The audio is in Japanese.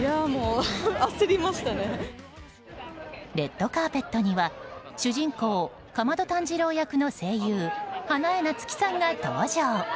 レッドカーペットには主人公・竈門炭治郎役の声優花江夏樹さんが登場。